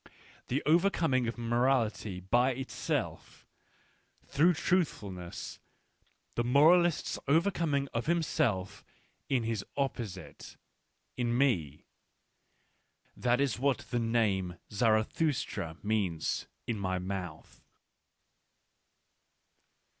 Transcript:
... The overcoming of morality by itself, through truthfulness, the moralist's overcoming of himself in his opposite — in me — that is what the name Zara thustra means in my mouth.